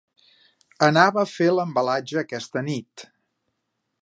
Anava a fer l'embalatge aquesta nit.